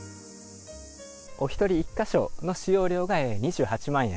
お１人１か所の使用料が２８万円。